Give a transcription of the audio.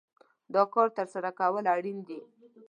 دا کار ترسره کول اړين دي.